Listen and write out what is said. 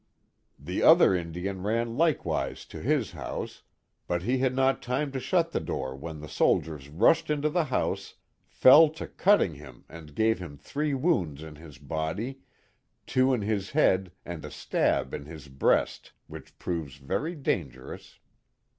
The other Indian ran likewise to his house, but he had not time to shut the door when the soldiers rushed into the house, fell to cutting him and gave him three wounds in his body, two in his head, and a stab in his breast, which proves very dangerous.